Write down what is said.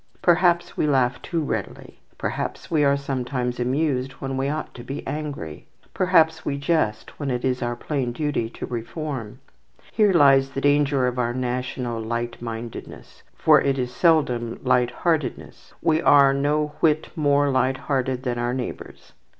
Perhaps we laugh too readily. Perhaps we are sometimes amused when we ought to be angry. Perhaps we jest when it is our plain duty to reform. Here lies the danger of our national light mindedness, for it is seldom light heartedness; we are no whit more light hearted than our neighbours.